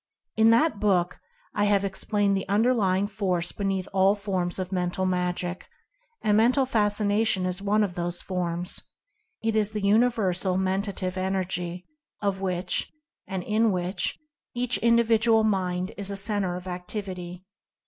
In that book I have explained that the Underlying Force beneath all forms of Mental Magic — and Mental Fascination is one of those forms — is the Universal Mentative Energy, of which, and in which, each Individual Mind is a Cen ter of Activity.